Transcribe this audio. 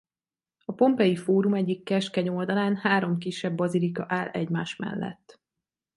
A pompeii fórum egyik keskeny oldalán három kisebb bazilika áll egymás mellett.